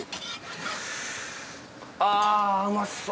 あぁうまそう。